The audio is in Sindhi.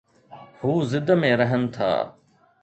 هو ضد ۾ رهن ٿا.